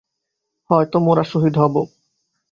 হয়তো মোরা শহীদ হবো